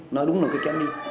nó đúng là nó kém đi